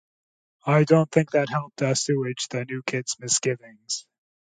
I don’t think that helped assuage the new kid’s misgivings.